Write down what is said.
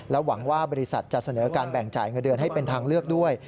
หวังว่าบริษัทจะเสนอการแบ่งจ่ายเงินเดือนให้เป็นทางเลือกด้วย